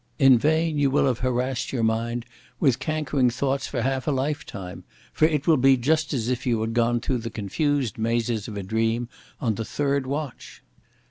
In vain, you will have harassed your mind with cankering thoughts for half a lifetime; for it will be just as if you had gone through the confused mazes of a dream on the third watch!